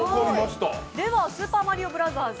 スーパーマリオブラザーズ